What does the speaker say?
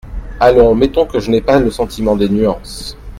Allons, mettons que je n’ai pas le sentiment des nuances…